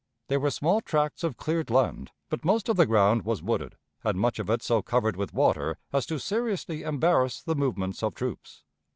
There were small tracts of cleared land, but most of the ground was wooded, and much of it so covered with water as to seriously embarrass the movements of troops.